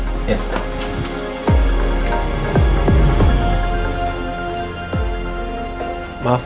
terima kasih pak